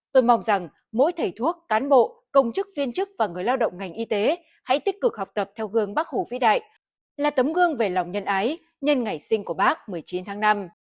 tôi mong rằng mỗi thầy thuốc cán bộ công chức viên chức và người lao động ngành y tế hãy tích cực học tập theo gương bác hủ vĩ đại là tấm gương về lòng nhân ái nhân ngày sinh của bác một mươi chín tháng năm